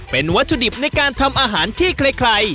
เป็นวัตถุดิบในการทำอาหารที่ใคร